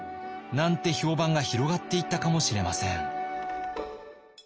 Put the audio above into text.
なんて評判が広がっていったかもしれません。